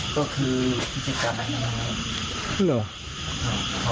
ก็คือพิจารณ์แล้วนั่นไหม